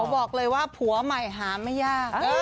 บอกเลยว่าผัวใหม่หาไม่ยาก